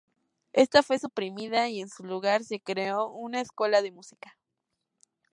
Ésta fue suprimida y en su lugar se creó una escuela de música.